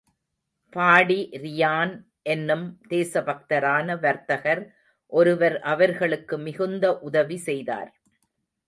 பாடி Ryan என்னும் தேசபக்தரான வர்த்தகர் ஒருவர் அவர்களுக்கு மிகுந்த உதவி செய்தார்.